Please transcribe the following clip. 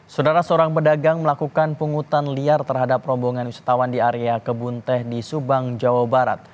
saudara seorang pedagang melakukan pungutan liar terhadap rombongan wisatawan di area kebun teh di subang jawa barat